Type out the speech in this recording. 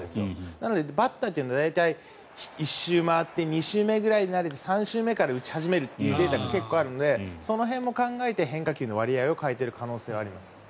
なのでバッターは大体２周目ぐらいで慣れて３周目から打ち始めるというデータが結構あるのでその辺も考えて変化球の割合を変えている可能性はあります。